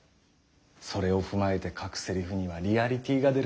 それを踏まえて書くセリフには「リアリティ」が出る。